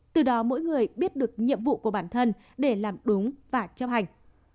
từ đó mỗi người biết được nhiệm vụ của bản thân để làm đúng và chấp hành